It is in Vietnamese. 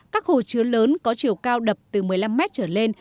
các hồ chứa lớn có chiều cao đập từ một mươi năm mét trở lên